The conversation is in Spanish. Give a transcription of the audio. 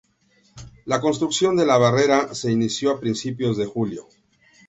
La construcción de la barrera se inició a principios de julio.